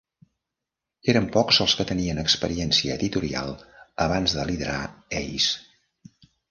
Eren pocs els que tenien experiència editorial abans de liderar "Ace".